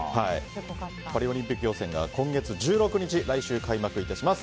パリオリンピック予選が今月１６日来週開幕いたします。